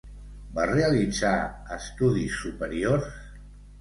Va realitzar estudis superiors?